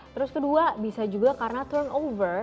terus kedua bisa juga karena turn on